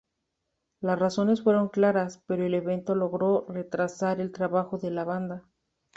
Las razones fueron claras, pero el evento logró retrasar el trabajo de la banda.